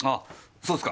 そうっすか。